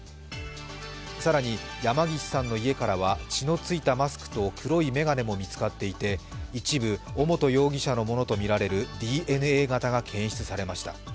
更に、山岸さんの家からは血の付いたマスクと黒い眼鏡も見つかっていて、一部、尾本容疑者のものとみられるＤＮＡ型が検出されました。